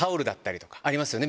ありますよね